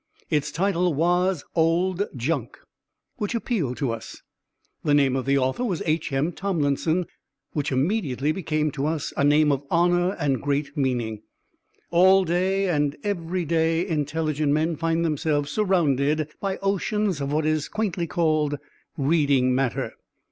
Its title was "Old Junk," which appealed to us. The name of the author was H. M. Tomlinson, which immediately became to us a name of honour and great meaning. All day and every day intelligent men find themselves surrounded by oceans of what is quaintly called "reading matter."